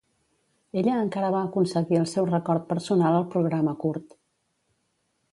Ella encara va aconseguir el seu record personal al programa curt.